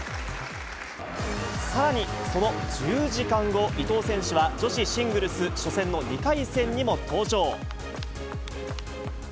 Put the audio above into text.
さらにその１０時間後、伊藤選手は女子シングルス初戦の２回戦にも登場。